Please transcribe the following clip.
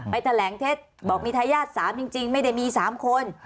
แถลงเท็จบอกมีทายาท๓จริงไม่ได้มี๓คน